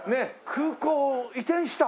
空港移転した？